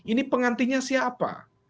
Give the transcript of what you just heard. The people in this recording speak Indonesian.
ini pengantinnya siapa